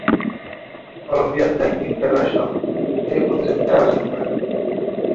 Colombian cycling federation এ প্রতিযোগিতা আয়োজন করে।